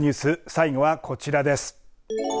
最後はこちらです。